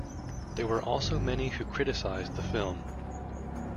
There were also many who criticized the film.